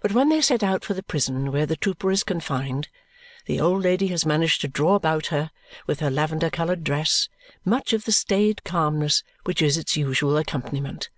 But when they set out for the prison where the trooper is confined, the old lady has managed to draw about her, with her lavender coloured dress, much of the staid calmness which is its usual accompaniment.